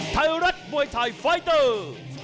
ไทยรัฐมวยไทยไฟเตอร์